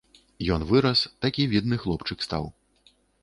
Ён вырас, такі відны хлопчык стаў.